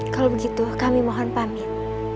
kalau begitu kami mohon pamit